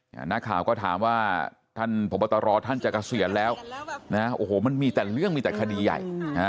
อย่างน้าข่าก็ถามว่าท่านพบตรท่านจากกระเสวียนแล้วใช่มันมีแต่เรื่องมีแต่คดีใหญ่